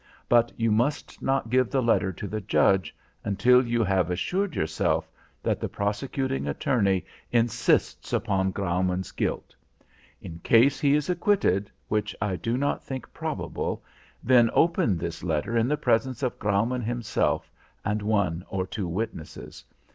But you must not give the letter to the Judge until you have assured yourself that the prosecuting attorney insists upon Graumann's guilt. In case he is acquitted, which I do not think probable, then open this letter in the presence of Graumann himself and one or two witnesses.